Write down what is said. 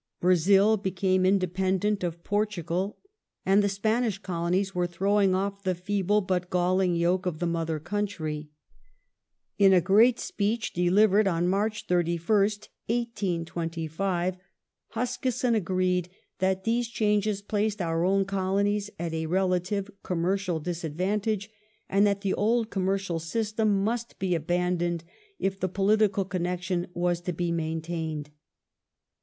Brazil became independent of Portugal, and the Spanish Colonies were throwing off the feeble but galling yoke of the mother country, In a great speech delivered on March 31st, 1825, Huskisson agreed that these changes placed our own Colonies at a relative commercial disadvantage, and that the old commercial system must be abandoned if the political connection was to be maintained.